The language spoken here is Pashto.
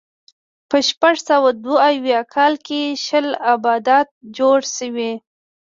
په شپږ سوه دوه اویا کال کې شل ابدات جوړ شوي.